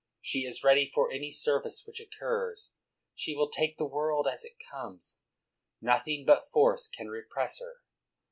She is ready for any service which occurs; she will take the world as it comes; nothing but force can repress her.